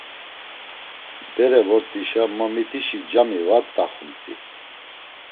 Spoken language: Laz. Bere vort̆işa ma mitişi cami var p̌t̆axumt̆i.